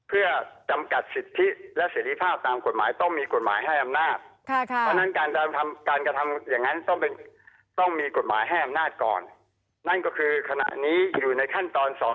เอาล่ะครับสิ่งที่ท่านพูด